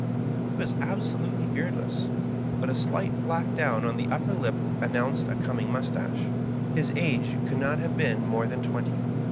He was absolutely beardless, but a slight black down on the upper lip announced a coming mustache. His age could not have been more than twenty.